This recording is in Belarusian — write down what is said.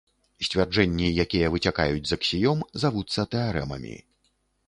Сцвярджэнні, якія выцякаюць з аксіём, завуцца тэарэмамі.